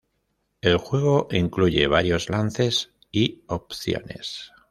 El juego incluye varios lances y opciones.